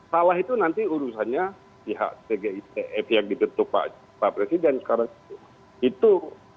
salah itu nanti urusannya pihak tgipf yang dibentuk pak presiden sekarang itu